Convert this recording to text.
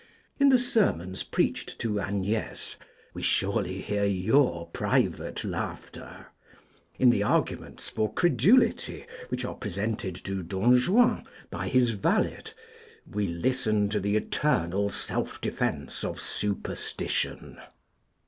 In the sermons preached to Agnés we surely hear your private laughter; in the arguments for credulity which are presented to Don Juan by his valet we listen to the eternal self defence of superstition.